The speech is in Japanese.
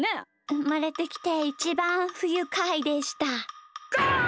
うまれてきていちばんふゆかいでした。